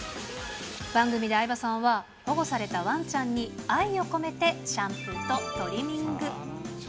番組で相葉さんは、保護されたわんちゃんに愛を込めてシャンプーとトリミング。